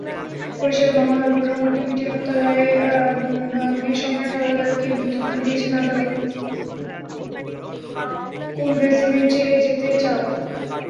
কোন রেজিম্যান্টে যেতে চাও?